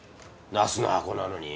茄子の箱なのに？